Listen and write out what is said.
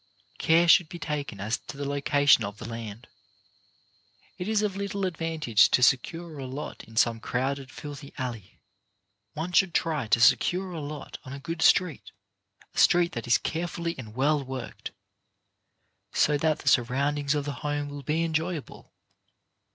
Care should be taken as to the location of the land. It is of little advantage to secure a lot in 57 58 CHARACTER BUILDING some crowded, filthy alley. One should try to secure a lot on a good street, a street that is care fully and well worked, so that the surroundings of the home will be enjoyable.